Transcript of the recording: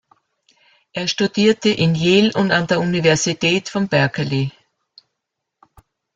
Er studierte in Yale und an der Universität von Berkeley.